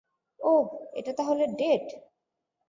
ওহ, এটা তাহলে ডেট।